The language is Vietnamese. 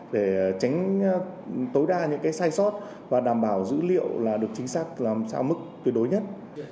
để tránh tối đa những cái sai sót và đảm bảo dữ liệu là được chính xác làm sao mức tuyệt đối nhất